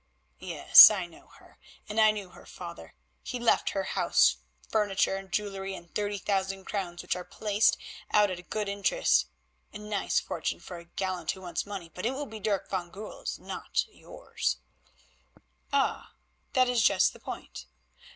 "Yes, I know her, and I knew her father. He left her house, furniture, jewellery, and thirty thousand crowns, which are placed out at good interest. A nice fortune for a gallant who wants money, but it will be Dirk van Goorl's, not yours." "Ah! that is just the point.